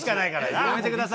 やめてください。